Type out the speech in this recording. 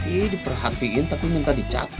iya diperhatiin tapi minta dicatat